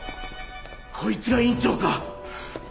こいつが院長か！